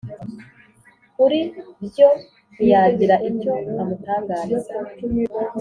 kuribyo ntiyagira icyo amutangariza.